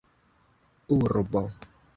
urbo